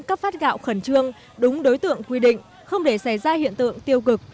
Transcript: cấp phát gạo khẩn trương đúng đối tượng quy định không để xảy ra hiện tượng tiêu cực